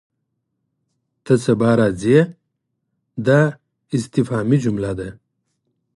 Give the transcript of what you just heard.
ته سبا راځې؟ دا استفهامي جمله ده.